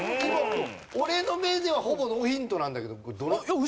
俺の目ではほぼノーヒントなんだけど。